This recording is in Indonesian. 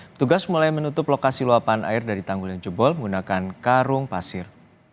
petugas mulai menutup lokasi luapan air dari tanggul yang jebol menggunakan karung pasir